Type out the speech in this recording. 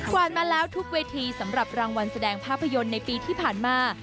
วาดมาแล้วทุกเวทีสำหรับรางวัลแสดงภาพยนตร์ในปีที่ผ่านมา